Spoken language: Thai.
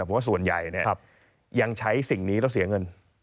เพราะว่าส่วนใหญ่ยังใช้สิ่งนี้แล้วเสียเงิน